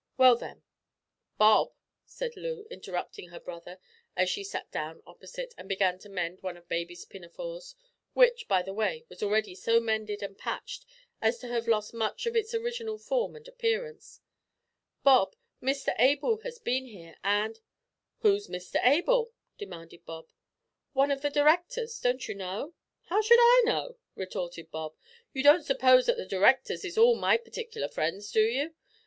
Well then " "Bob," said Loo, interrupting her brother as she sat down opposite, and began to mend one of baby's pinafores which by the way was already so mended and patched as to have lost much of its original form and appearance "Bob, Mr Able has been here, and " "Who's Mr Able?" demanded Bob. "One of the directors, don't you know?" "How should I know?" retorted Bob; "you don't suppose that the d'rectors is all my partikler friends, do you?